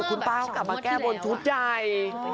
คุณเป้ากลับมาแก้บนชูใจ